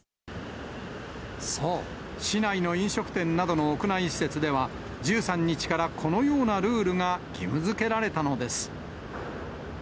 そう、市内の飲食店などの屋内施設では、１３日からこのようなルールが義務づけられたのです。